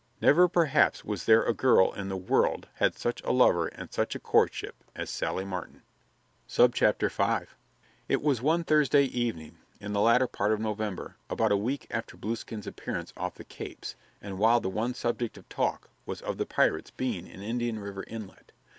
Never, perhaps, was there a girl in the world had such a lover and such a courtship as Sally Martin. V It was one Thursday evening in the latter part of November, about a week after Blueskin's appearance off the capes, and while the one subject of talk was of the pirates being in Indian River inlet.